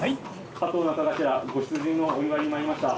鹿頭中頭ご出陣のお祝いに参りました。